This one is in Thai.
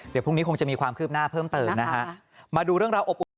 เดี๋ยวพรุ่งนี้คงจะมีความคืบหน้าเพิ่มเติมนะคะ